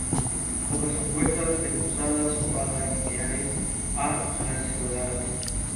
Shannon grabó su versión al tema de The Rolling Stones "Under My Thumb".